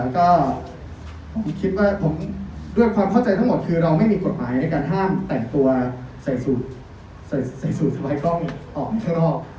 ก็ผมคิดว่าผมด้วยความเข้าใจทั้งหมดคือเราไม่มีกฎหมายในการห้ามแต่งตัวใส่สูตรสะพายกล้องออกข้างนอก